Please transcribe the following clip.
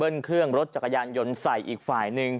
เบิร์นเครื่องรถจักรยานหยนด์ใส่อีกฝ่ายนึง